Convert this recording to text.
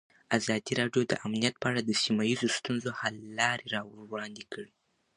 ازادي راډیو د امنیت په اړه د سیمه ییزو ستونزو حل لارې راوړاندې کړې.